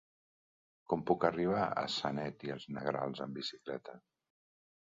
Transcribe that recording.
Com puc arribar a Sanet i els Negrals amb bicicleta?